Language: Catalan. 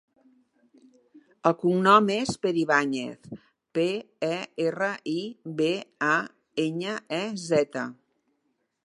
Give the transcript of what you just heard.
El cognom és Peribañez: pe, e, erra, i, be, a, enya, e, zeta.